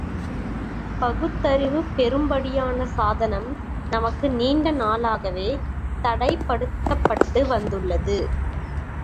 பகுத்தறிவு பெறும்படியான சாதனம், நமக்கு நீண்ட நாளாகவே தடைப்படுத்தப்பட்டு வந்துள்ளது.